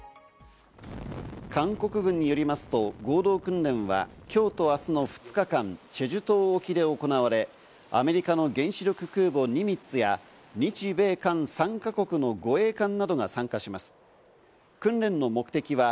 韓国軍によりますと合同訓練は、今日と明日の２日間、チェジュ島沖で行われ、アメリカの原子力空母「ニミッツ」や日米韓３か国の護衛艦などが参加します。